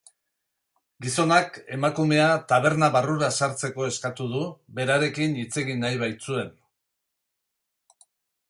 Gizonak emakumea taberna barrura sartzeko eskatu du, berarekin hitz egin nahi baitzuen.